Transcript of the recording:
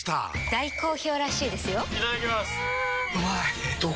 大好評らしいですよんうまい！